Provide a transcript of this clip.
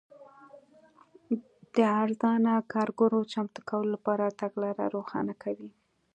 د ارزانه کارګرو چمتو کولو لپاره تګلاره روښانه کوي.